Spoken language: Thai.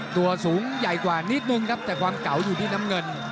ตัวสูงใหญ่กว่านิดนึงครับแต่ความเก่าอยู่ที่น้ำเงิน